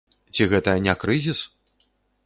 Ці гэта не крызіс?